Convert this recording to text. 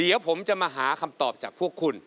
เดี๋ยวผมจะมาหาคำตอบจากพวกคุณ